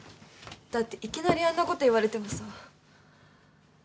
だっていきなりあんなこと言われてもさ。